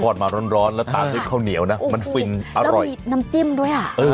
ควดมาร้อนร้อนแล้วตาซึดข้าวเหนียวน่ะมันฟินอร่อยแล้วมีน้ำจิ้มด้วยอ่ะอือ